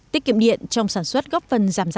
tiết kiệm điện trong sản xuất góp phần giảm giá